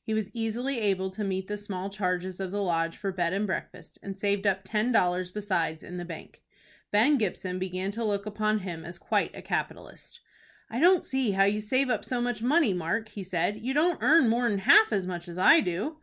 He was easily able to meet the small charges of the Lodge for bed and breakfast, and saved up ten dollars besides in the bank. Ben Gibson began to look upon him as quite a capitalist. "I don't see how you save up so much money, Mark," he said. "You don't earn more'n half as much as I do."